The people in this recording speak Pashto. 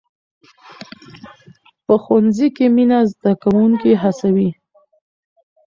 په ښوونځي کې مینه زده کوونکي هڅوي.